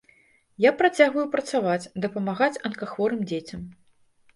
Я працягваю працаваць, дапамагаць анкахворым дзецям.